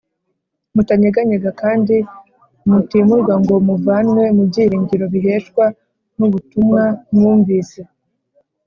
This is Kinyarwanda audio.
mutanyeganyega kandi mutimurwa ngo muvanwe mu byiringiro biheshwa n’ubutumwa mwumvise